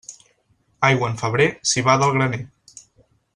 Aigua en febrer, civada al graner.